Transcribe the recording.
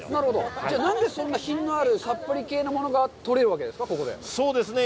じゃあ、何でそんな品のあるさっぱり系のものが取れるわけですか、ここで。